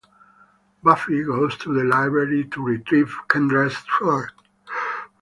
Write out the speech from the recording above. Buffy goes to the library to retrieve Kendra's sword.